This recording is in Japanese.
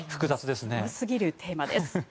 すごすぎるテーマです。